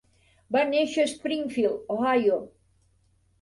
Va néixer a Springfield, Ohio.